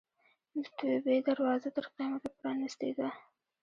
د توبې دروازه تر قیامته پرانستې ده.